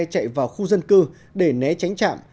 chạy vào khu dân cư để né tránh chạm